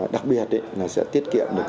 đặc biệt sẽ tiết kiệm được